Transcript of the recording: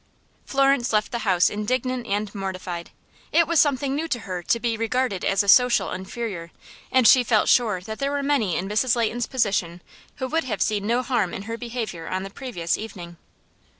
Florence left the house indignant and mortified. It was something new to her to be regarded as a social inferior, and she felt sure that there were many in Mrs. Leighton's position who would have seen no harm in her behavior on the previous evening.